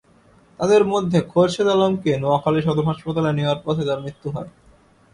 তাঁদের মধ্যে খোরশেদ আলমকে নোয়াখালী সদর হাসপাতালে নেওয়ার পথে তাঁর মৃত্যু হয়।